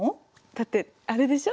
だってあれでしょ？